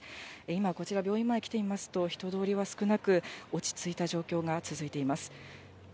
今、こちら病院前に来ていますと、人通りは少なく、落ち着いた状況が続いています。